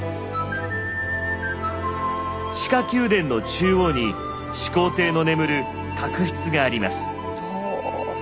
地下宮殿の中央に始皇帝の眠る槨室があります。